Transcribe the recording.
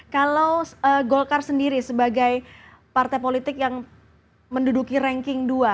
kalau golkar sendiri sebagai partai politik yang menduduki rencana